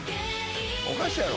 おかしいやろ。